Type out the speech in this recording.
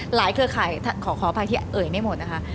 เครือข่ายขออภัยที่เอ่ยไม่หมดนะคะ